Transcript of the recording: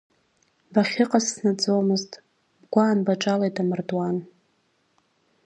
Бахьыҟаз сзынаӡомызт, бгәаан баҿалеит амардуан.